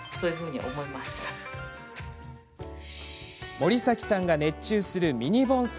森崎さんが熱中するミニ盆栽。